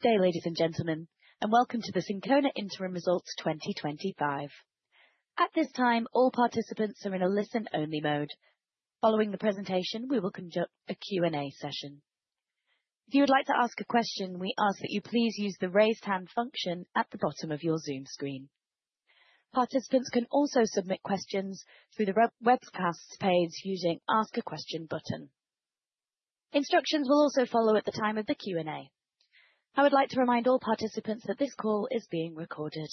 Good day, ladies and gentlemen, and welcome to the Syncona Interim Results 2025. At this time, all participants are in a listen-only mode. Following the presentation, we will conduct a Q&A session. If you would like to ask a question, we ask that you please use the raised hand function at the bottom of your Zoom screen. Participants can also submit questions through the webcast page using the Ask a Question button. Instructions will also follow at the time of the Q&A. I would like to remind all participants that this call is being recorded.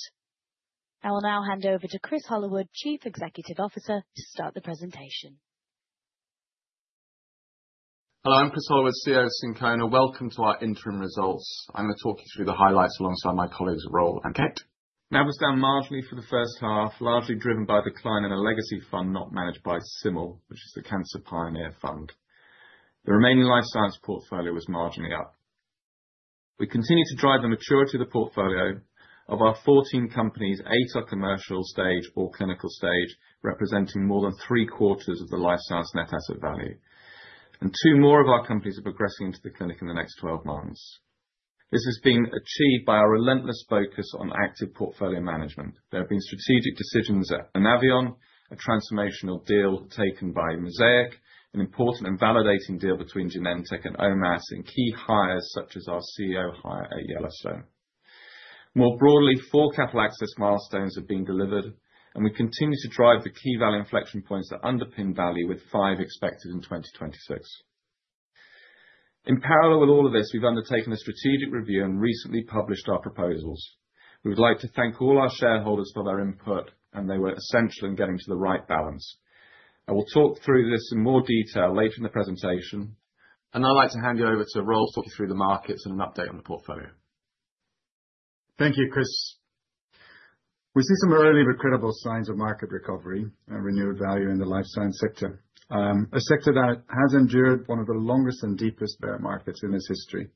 I will now hand over to Chris Hollowood, Chief Executive Officer, to start the presentation. Hello, I'm Chris Hollowood, CEO of Syncona. Welcome to our interim results. I'm going to talk you through the highlights alongside my colleagues, Roel and Kate. We narrowed us down marginally for the first half, largely driven by a decline in a legacy fund not managed by CIML, which is the Cancer Pioneer Fund. The remaining life science portfolio was marginally up. We continue to drive the maturity of the portfolio. Of our 14 companies, eight are commercial stage or clinical stage, representing more than three quarters of the life science net asset value. Two more of our companies are progressing into the clinic in the next 12 months. This has been achieved by our relentless focus on active portfolio management. There have been strategic decisions at Navion, a transformational deal taken by Mosaic, an important and validating deal between Genentech and OMass, and key hires such as our CEO hire at Yellowstone. More broadly, four capital access milestones have been delivered, and we continue to drive the key value inflection points that underpin value, with five expected in 2026. In parallel with all of this, we have undertaken a strategic review and recently published our proposals. We would like to thank all our shareholders for their input, and they were essential in getting to the right balance. I will talk through this in more detail later in the presentation, and I would like to hand you over to Roel to talk you through the markets and an update on the portfolio. Thank you, Chris. We see some early but credible signs of market recovery and renewed value in the life science sector, a sector that has endured one of the longest and deepest bear markets in its history.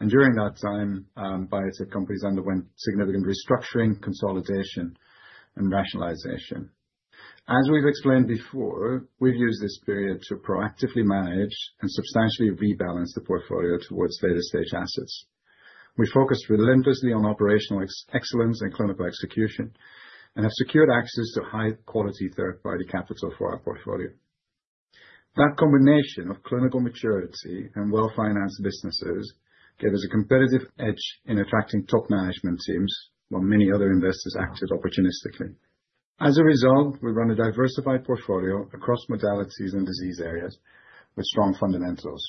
During that time, biotech companies underwent significant restructuring, consolidation, and rationalization. As we've explained before, we've used this period to proactively manage and substantially rebalance the portfolio towards later stage assets. We focused relentlessly on operational excellence and clinical execution and have secured access to high-quality third-party capital for our portfolio. That combination of clinical maturity and well-financed businesses gave us a competitive edge in attracting top management teams while many other investors acted opportunistically. As a result, we run a diversified portfolio across modalities and disease areas with strong fundamentals.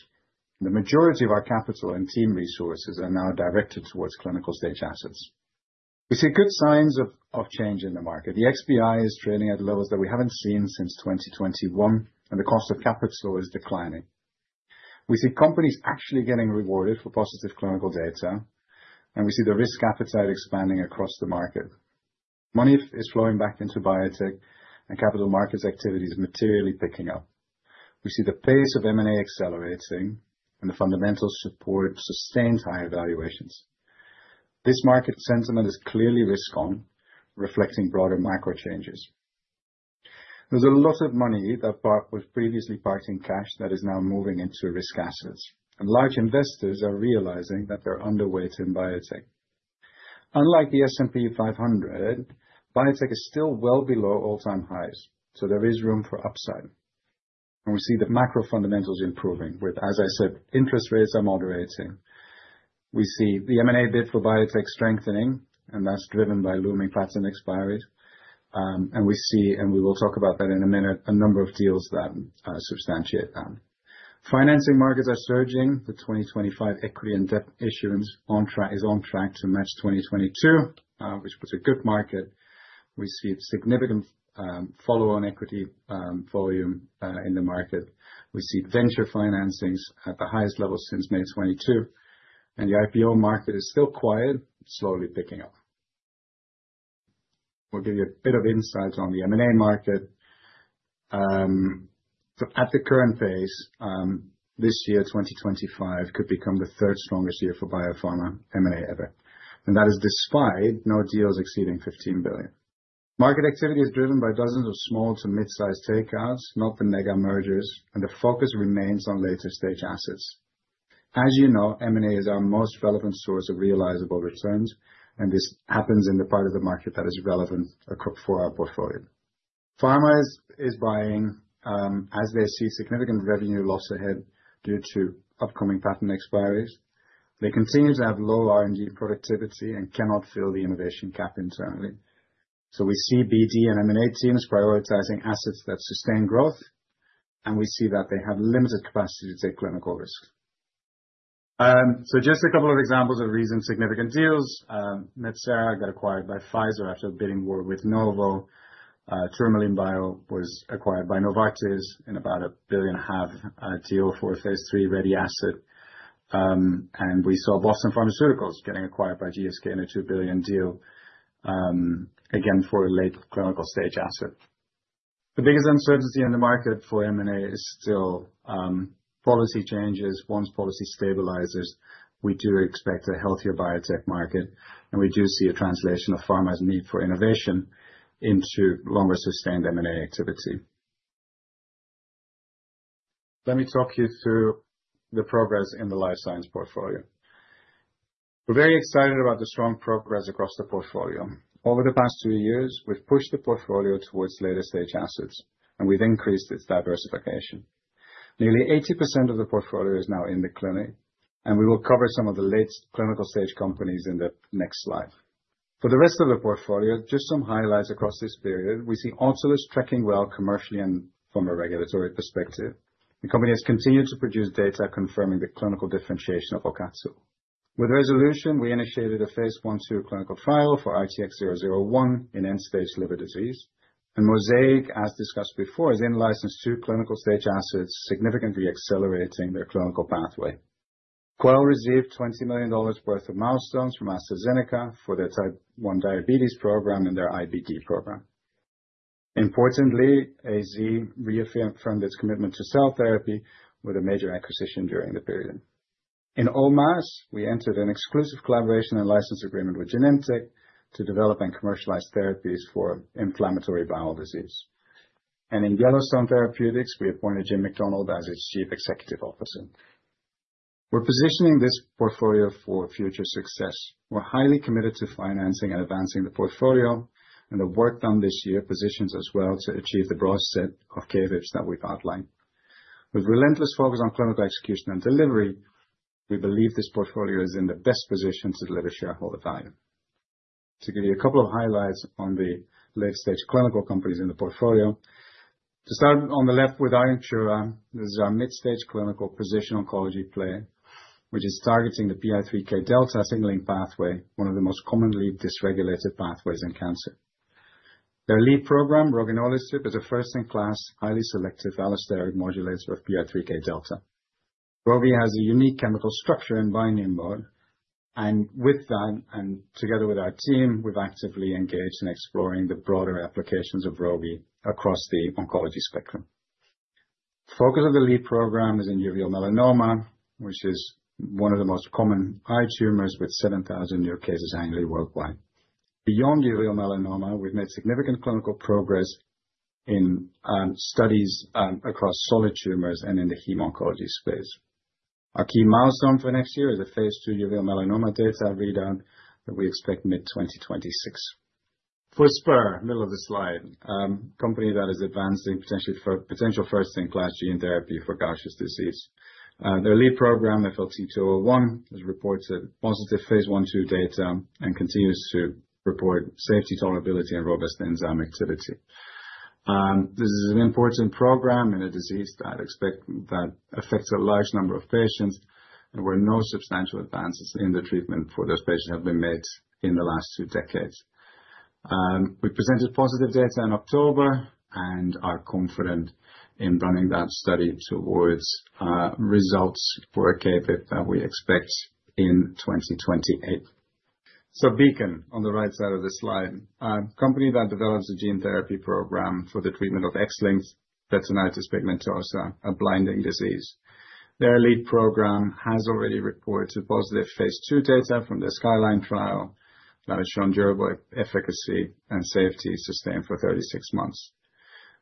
The majority of our capital and team resources are now directed towards clinical stage assets. We see good signs of change in the market. The XBI is trading at levels that we haven't seen since 2021, and the cost of capital is declining. We see companies actually getting rewarded for positive clinical data, and we see the risk appetite expanding across the market. Money is flowing back into biotech, and capital markets activity is materially picking up. We see the pace of M&A accelerating, and the fundamentals support sustained higher valuations. This market sentiment is clearly risk-on, reflecting broader macro changes. There is a lot of money that was previously parked in cash that is now moving into risk assets, and large investors are realizing that they're underweight in biotech. Unlike the S&P 500, biotech is still well below all-time highs, so there is room for upside. We see that macro fundamentals are improving, with, as I said, interest rates are moderating. We see the M&A bid for biotech strengthening, and that's driven by looming patent expiries. We see, and we will talk about that in a minute, a number of deals that substantiate that. Financing markets are surging. The 2025 equity and debt issuance is on track to match 2022, which puts a good market. We see significant follow-on equity volume in the market. We see venture financings at the highest level since May 2022, and the IPO market is still quiet, slowly picking up. We'll give you a bit of insight on the M&A market. um, at the current pace, um this year, 2025, could become the third strongest year for biopharma M&A ever. That is despite no deals exceeding $15 billion. Market activity is driven by dozens of small to mid-sized takeouts, not the mega mergers, and the focus remains on later stage assets. As you know, M&A is our most relevant source of realizable returns, and this happens in the part of the market that is relevant for our portfolio. Pharma is buying as they see significant revenue loss ahead due to upcoming patent expiries. They continue to have low R&D productivity and cannot fill the innovation gap internally. We see BD and M&A teams prioritizing assets that sustain growth, and we see that they have limited capacity to take clinical risks. Just a couple of examples of recent significant deals. Medsera got acquired by Pfizer after a bidding war with Novo Nordisk. Turmaline Bio was acquired by Novartis in about $1.5 billion deal for a phase III ready asset. We saw Boston Pharmaceuticals getting acquired by GSK in a $2 billion deal, again for a late clinical stage asset. The biggest uncertainty in the market for M&A is still policy changes. Once policy stabilizes, we do expect a healthier biotech market, and we do see a translation of pharma's need for innovation into longer sustained M&A activity. Let me talk you through the progress in the life science portfolio. We're very excited about the strong progress across the portfolio. Over the past two years, we've pushed the portfolio towards later stage assets, and we've increased its diversification. Nearly 80% of the portfolio is now in the clinic, and we will cover some of the latest clinical stage companies in the next slide. For the rest of the portfolio, just some highlights across this period. We see Oculus tracking well commercially and from a regulatory perspective. The company has continued to produce data confirming the clinical differentiation of Ocato. With Resolve, we initiated a phase I zero clinical trial for RTX001 in end-stage liver disease, and Mosaic, as discussed before, is in-license to clinical-stage assets, significantly accelerating their clinical pathway. Quell received $20 million worth of milestones from AstraZeneca for their type 1 diabetes program and their IBD program. Importantly, AstraZeneca reaffirmed its commitment to cell therapy with a major acquisition during the period. In OMass, we entered an exclusive collaboration and license agreement with Genentech to develop and commercialize therapies for inflammatory bowel disease. In Yellowstone Therapeutics, we appointed Jim McDonald as its Chief Executive Officer. We are positioning this portfolio for future success. We are highly committed to financing and advancing the portfolio, and the work done this year positions us well to achieve the broad set of KVIBs that we have outlined. With relentless focus on clinical execution and delivery, we believe this portfolio is in the best position to deliver shareholder value. To give you a couple of highlights on the late-stage clinical companies in the portfolio. To start on the left with [Iron CHIMERA], this is our mid-stage clinical precision oncology player, which is targeting the PI3K delta signaling pathway, one of the most commonly dysregulated pathways in cancer. Their lead program, Roginolisib, is a first-in-class, highly selective allosteric modulator of PI3K delta. Rogi has a unique chemical structure and binding mode. With that, and together with our team, we have actively engaged in exploring the broader applications of Rogi across the oncology spectrum. The focus of the lead program is in uveal melanoma, which is one of the most common eye tumors with 7,000 new cases annually worldwide. Beyond uveal melanoma, we've made significant clinical progress in studies across solid tumors and in the heme oncology space. Our key milestone for next year is a phase II uveal melanoma data read-out that we expect mid 2026. For Spur, middle of the slide, a company that is advancing potential first-in-class gene therapy for Gaucher's disease. Their lead program, FLT201, has reported positive phase one two data and continues to report safety, tolerability, and robust enzyme activity. This is an important program in a disease that affects a large number of patients, and where no substantial advances in the treatment for those patients have been made in the last two decades. We presented positive data in October and are confident in running that study towards results for a KVIB that we expect in 2028. Beacon, on the right side of the slide, a company that develops a gene therapy program for the treatment of X-linked retinitis pigmentosa, a blinding disease. Their lead program has already reported positive phase II data from their Skyline trial that has shown durable efficacy and safety sustained for 36 months.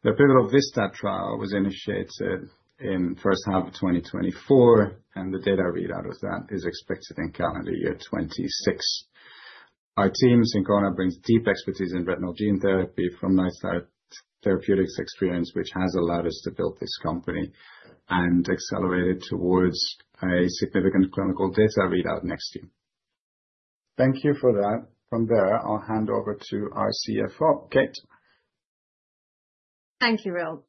The pivotal VISTA trial was initiated in the first half of 2024, and the data readout of that is expected in calendar year 2026. Our team, Syncona, brings deep expertise in retinal gene therapy from Night Therapeutics experience, which has allowed us to build this company and accelerate it towards a significant clinical data readout next year. Thank you for that. From there, I'll hand over to our CFO, Kate. Thank you, Roel.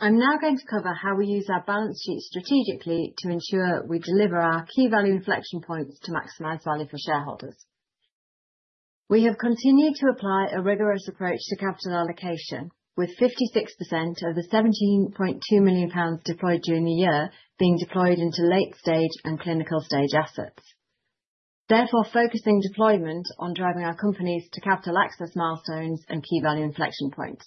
I'm now going to cover how we use our balance sheet strategically to ensure we deliver our key value inflection points to maximize value for shareholders. We have continued to apply a rigorous approach to capital allocation, with 56% of the 17.2 million pounds deployed during the year being deployed into late stage and clinical stage assets. Therefore, focusing deployment on driving our companies to capital access milestones and key value inflection points.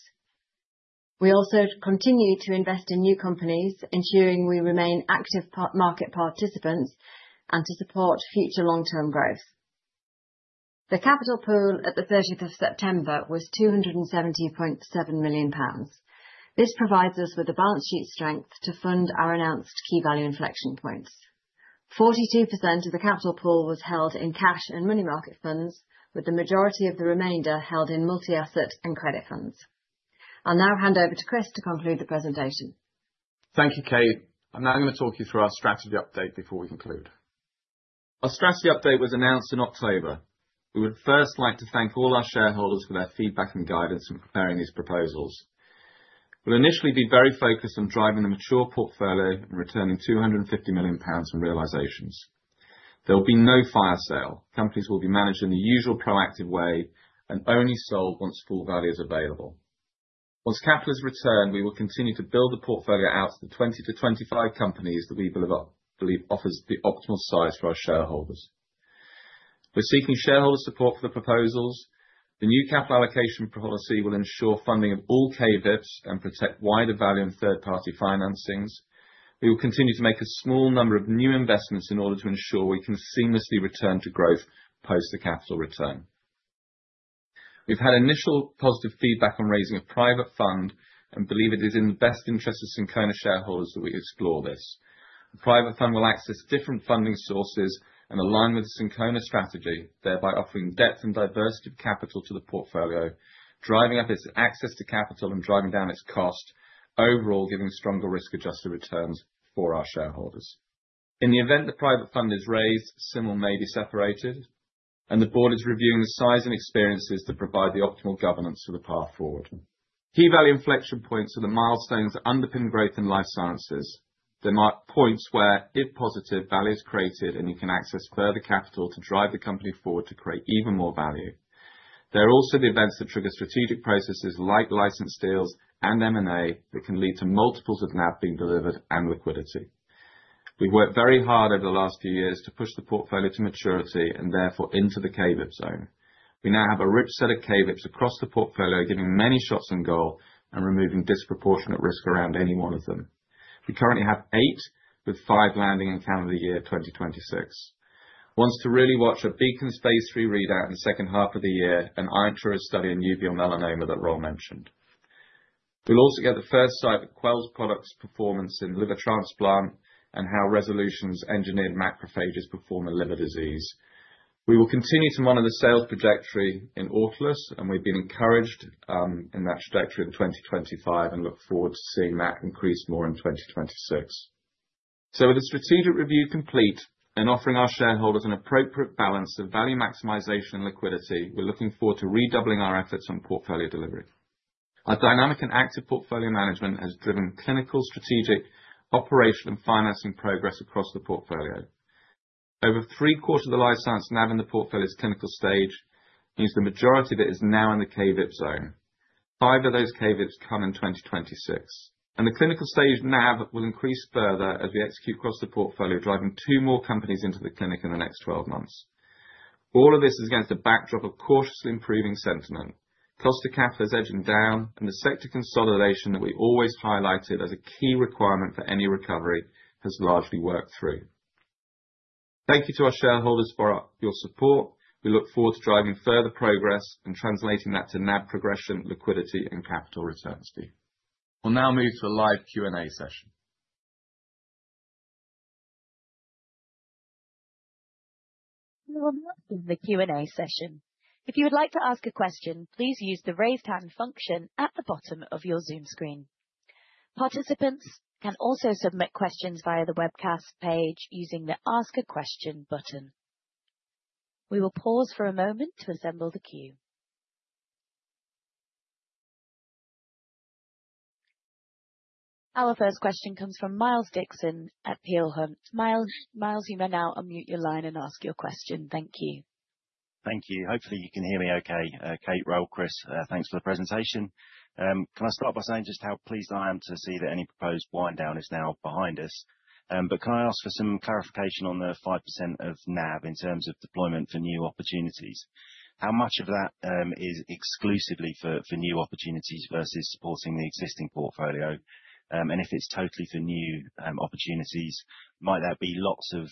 We also continue to invest in new companies, ensuring we remain active market participants and to support future long-term growth. The capital pool at the 30th of September was 270.7 million pounds. This provides us with the balance sheet strength to fund our announced key value inflection points. 42% of the capital pool was held in cash and money market funds, with the majority of the remainder held in multi-asset and credit funds. I'll now hand over to Chris to conclude the presentation. Thank you, Kate. I'm now going to talk you through our strategy update before we conclude. Our strategy update was announced in October. We would first like to thank all our shareholders for their feedback and guidance in preparing these proposals. We'll initially be very focused on driving the mature portfolio and returning 250 million pounds in realizations. There will be no fire sale. Companies will be managed in the usual proactive way and only sold once full value is available. Once capital is returned, we will continue to build the portfolio out to the 20-25 companies that we believe offers the optimal size for our shareholders. We're seeking shareholder support for the proposals. The new capital allocation policy will ensure funding of all KVIBs and protect wider value and third-party financings. We will continue to make a small number of new investments in order to ensure we can seamlessly return to growth post the capital return. We've had initial positive feedback on raising a private fund and believe it is in the best interest of Syncona shareholders that we explore this. A private fund will access different funding sources and align with the Syncona strategy, thereby offering depth and diversity of capital to the portfolio, driving up its access to capital and driving down its cost, overall giving stronger risk-adjusted returns for our shareholders. In the event the private fund is raised, some may be separated, and the board is reviewing the size and experiences to provide the optimal governance for the path forward. Key value inflection points are the milestones that underpin growth in life sciences. They mark points where, if positive, value is created and you can access further capital to drive the company forward to create even more value. There are also the events that trigger strategic processes like license deals and M&A that can lead to multiples of NAV being delivered and liquidity. We've worked very hard over the last few years to push the portfolio to maturity and therefore into the KVIB zone. We now have a rich set of KVIBs across the portfolio, giving many shots on goal and removing disproportionate risk around any one of them. We currently have eight, with five landing in calendar year 2026. Wants to really watch a Beacon phase three readout in the second half of the year and Arinchura's study in uveal melanoma that Roel mentioned. will also get the first sight of Quell's product's performance in liver transplant and how resolutions engineered macrophages perform in liver disease. We will continue to monitor the sales trajectory in Autolus, and we have been encouraged in that trajectory in 2025 and look forward to seeing that increase more in 2026. With the strategic review complete and offering our shareholders an appropriate balance of value maximization and liquidity, we are looking forward to redoubling our efforts on portfolio delivery. Our dynamic and active portfolio management has driven clinical, strategic, operational, and financing progress across the portfolio. Over three quarters of the life science NAV in the portfolio is clinical stage, which means the majority of it is now in the KVIB zone. Five of those KVIBs come in 2026. The clinical stage NAV will increase further as we execute across the portfolio, driving two more companies into the clinic in the next 12 months. All of this is against a backdrop of cautiously improving sentiment. Cost of capital is edging down, and the sector consolidation that we always highlighted as a key requirement for any recovery has largely worked through. Thank you to our shareholders for your support. We look forward to driving further progress and translating that to NAV progression, liquidity, and capital returns to you. We'll now move to a live Q&A session. This is the Q&A session. If you would like to ask a question, please use the raised hand function at the bottom of your Zoom screen. Participants can also submit questions via the webcast page using the Ask a Question button. We will pause for a moment to assemble the queue. Our first question comes from Miles Dixon at Peel Hunt. Miles, you may now unmute your line and ask your question. Thank you. Thank you. Hopefully, you can hear me okay. Kate, Roel, Chris, thanks for the presentation. Can I start by saying just how pleased I am to see that any proposed wind down is now behind us? Can I ask for some clarification on the 5% of NAV in terms of deployment for new opportunities? How much of that is exclusively for new opportunities versus supporting the existing portfolio? If it's totally for new opportunities, might that be lots of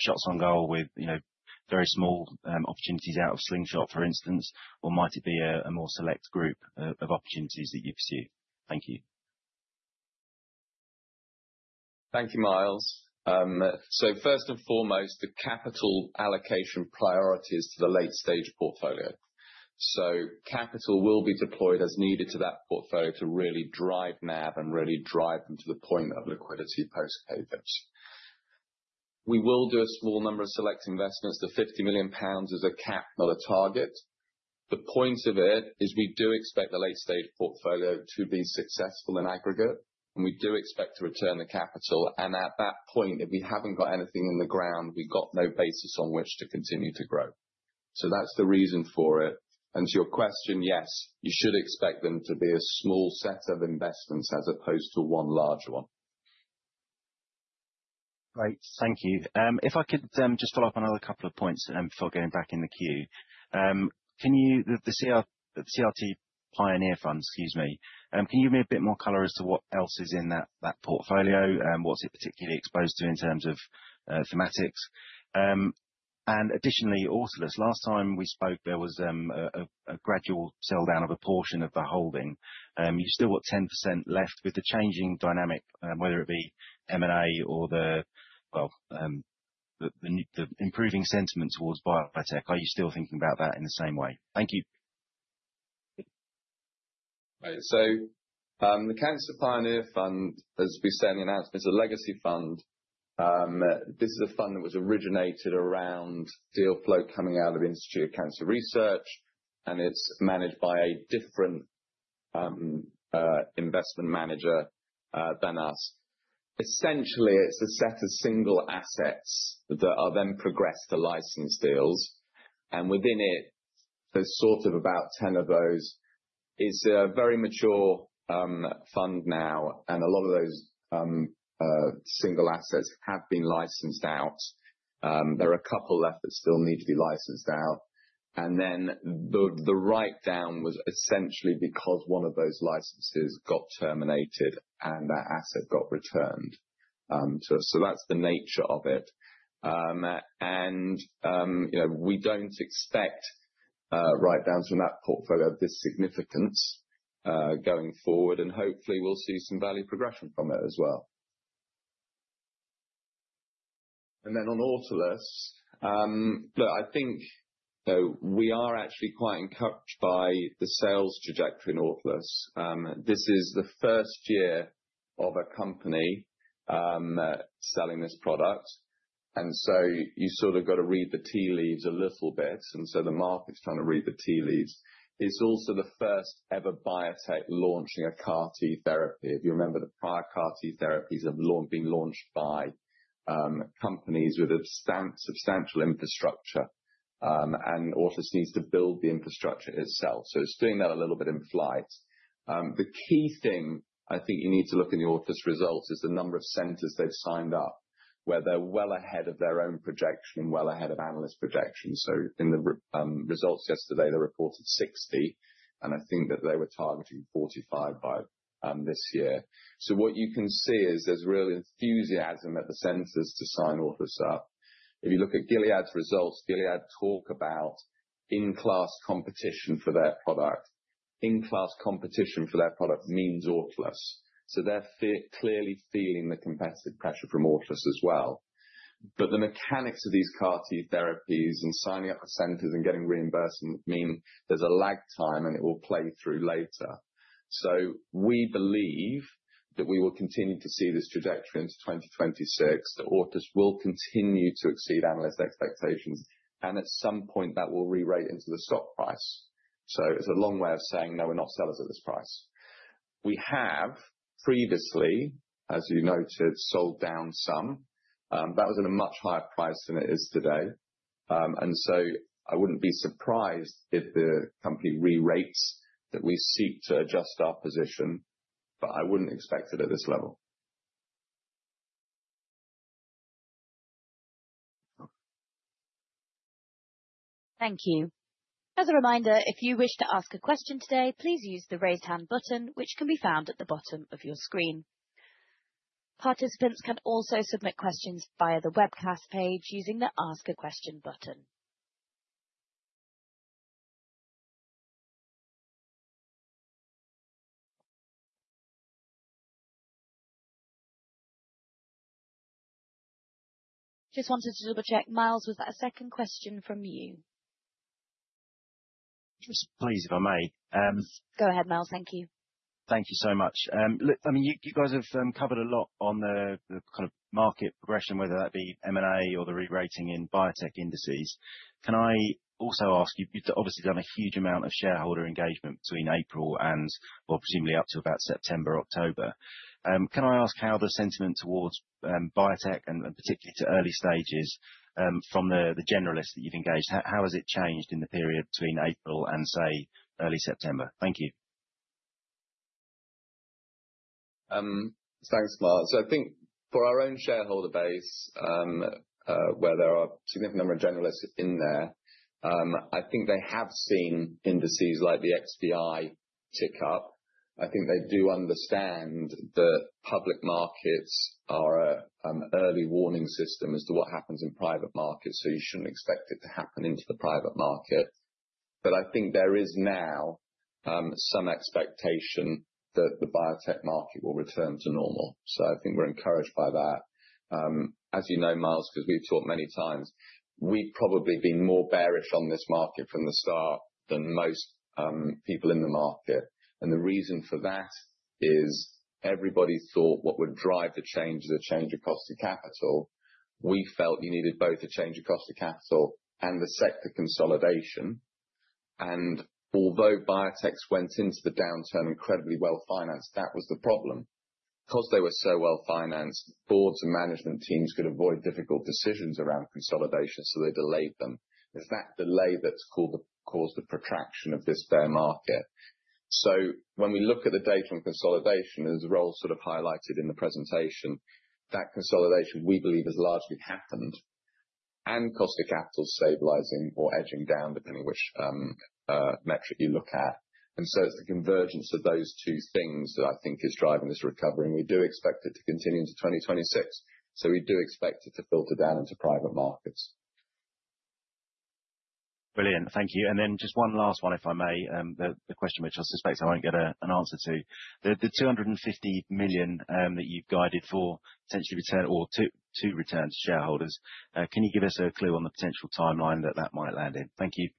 shots on goal with very small opportunities out of Slingshot, for instance? Might it be a more select group of opportunities that you pursue? Thank you. Thank you, Miles. First and foremost, the capital allocation priority is to the late-stage portfolio. Capital will be deployed as needed to that portfolio to really drive NAV and really drive them to the point of liquidity post KVIBs. We will do a small number of select investments. The 50 million pounds is a cap, not a target. The point of it is we do expect the late stage portfolio to be successful in aggregate, and we do expect to return the capital. At that point, if we have not got anything in the ground, we have got no basis on which to continue to grow. That is the reason for it. To your question, yes, you should expect them to be a small set of investments as opposed to one large one. Great. Thank you. If I could just follow up on another couple of points before going back in the queue. The CRT Pioneer Fund, excuse me, can you give me a bit more color as to what else is in that portfolio? What's it particularly exposed to in terms of thematics? Additionally, Autolus, last time we spoke, there was a gradual sell down of a portion of the holding. You still got 10% left with the changing dynamic, whether it be M&A or the, well, the improving sentiment towards biotech. Are you still thinking about that in the same way? Thank you. Right. The Cancer Pioneer Fund, as we said in the announcement, is a legacy fund. This is a fund that was originated around deal flow coming out of the Institute of Cancer Research, and it is managed by a different investment manager than us. Essentially, it is a set of single assets that are then progressed to license deals. Within it, there are sort of about 10 of those. It is a very mature fund now, and a lot of those single assets have been licensed out. There are a couple left that still need to be licensed out. The write down was essentially because one of those licenses got terminated and that asset got returned to us. That is the nature of it. We do not expect write downs from that portfolio of this significance going forward, and hopefully, we will see some value progression from it as well. On Autolus, look, I think we are actually quite encouraged by the sales trajectory in Autolus. This is the first year of a company selling this product. You sort of got to read the tea leaves a little bit. The market's trying to read the tea leaves. It's also the first ever biotech launching a CAR-T therapy. If you remember, the prior CAR-T therapies have been launched by companies with substantial infrastructure, and Autolus needs to build the infrastructure itself. It's doing that a little bit in flight. The key thing I think you need to look in the Autolus results is the number of centers they've signed up, where they're well ahead of their own projection and well ahead of analyst projections. In the results yesterday, they reported 60, and I think that they were targeting 45 by this year. What you can see is there's real enthusiasm at the centers to sign Autolus up. If you look at Gilead's results, Gilead talk about in-class competition for their product. In-class competition for their product means Autolus. They're clearly feeling the competitive pressure from Autolus as well. The mechanics of these CAR-T therapies and signing up for centers and getting reimbursement mean there's a lag time, and it will play through later. We believe that we will continue to see this trajectory into 2026, that Autolus will continue to exceed analyst expectations, and at some point, that will be re-rated into the stock price. It's a long way of saying, no, we're not sellers at this price. We have previously, as you noted, sold down some. That was at a much higher price than it is today. I would not be surprised if the company re-rates that we seek to adjust our position, but I would not expect it at this level. Thank you. As a reminder, if you wish to ask a question today, please use the raised hand button, which can be found at the bottom of your screen. Participants can also submit questions via the webcast page using the Ask a Question button. Just wanted to double-check, Miles, was that a second question from you? Just please, if I may. Go ahead, Miles. Thank you. Thank you so much. Look, I mean, you guys have covered a lot on the kind of market progression, whether that be M&A or the re-rating in biotech indices. Can I also ask you, you've obviously done a huge amount of shareholder engagement between April and, I mean, presumably up to about September, October. Can I ask how the sentiment towards biotech, and particularly to early stages, from the generalists that you've engaged, how has it changed in the period between April and, say, early September? Thank you. Thanks, Miles. I think for our own shareholder base, where there are a significant number of generalists in there, I think they have seen indices like the XBI tick up. I think they do understand that public markets are an early warning system as to what happens in private markets, so you shouldn't expect it to happen into the private market. I think there is now some expectation that the biotech market will return to normal. I think we're encouraged by that. As you know, Miles, because we've talked many times, we've probably been more bearish on this market from the start than most people in the market. The reason for that is everybody thought what would drive the change is a change of cost of capital. We felt you needed both a change of cost of capital and the sector consolidation. Although biotechs went into the downturn incredibly well-financed, that was the problem. Because they were so well-financed, boards and management teams could avoid difficult decisions around consolidation, so they delayed them. It is that delay that has caused the protraction of this bear market. When we look at the data on consolidation, as Roel sort of highlighted in the presentation, that consolidation, we believe, has largely happened and cost of capital is stabilizing or edging down, depending which metric you look at. It is the convergence of those two things that I think is driving this recovery. We do expect it to continue into 2026. We do expect it to filter down into private markets. Brilliant. Thank you. Just one last one, if I may, the question which I suspect I won't get an answer to. The 250 million that you've guided for potentially return or to return to shareholders, can you give us a clue on the potential timeline that that might land in? Thank you.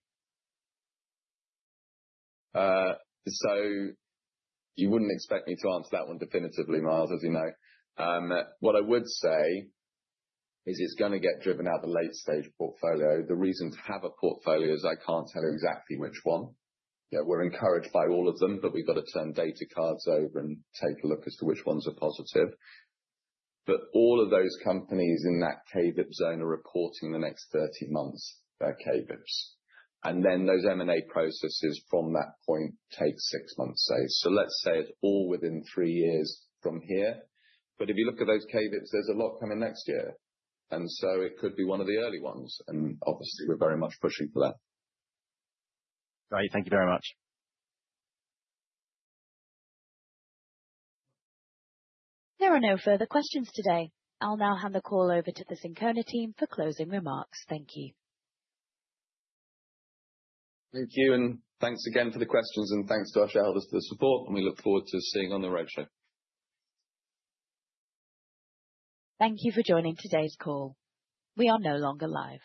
You would not expect me to answer that one definitively, Miles, as you know. What I would say is it is going to get driven out of the late stage portfolio. The reason to have a portfolio is I cannot tell you exactly which one. We are encouraged by all of them, but we have to turn data cards over and take a look as to which ones are positive. All of those companies in that KVIB zone are reporting the next 30 months of their KVIBs. Those M&A processes from that point take six months, say. Let us say it is all within three years from here. If you look at those KVIBs, there is a lot coming next year. It could be one of the early ones. Obviously, we are very much pushing for that. Great. Thank you very much. There are no further questions today. I'll now hand the call over to the Syncona team for closing remarks. Thank you. Thank you. Thanks again for the questions. Thanks to our shareholders for the support. We look forward to seeing you on the roadshow. Thank you for joining today's call. We are no longer live.